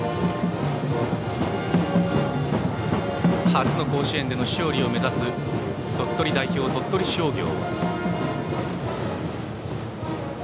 初の甲子園での勝利を目指す鳥取代表・鳥取商業。